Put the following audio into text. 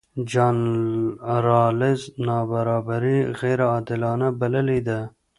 جان رالز نابرابري غیرعادلانه بللې ده.